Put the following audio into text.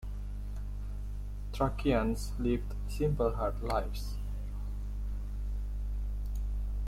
Thracians lived simple hard lives.